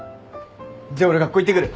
じゃあ俺学校行ってくる。